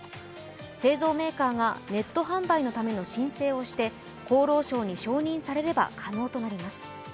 製造メーカーがネット販売のための申請をして、厚労省に承認されれば可能となります。